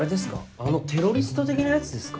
あのテロリスト的なやつですか？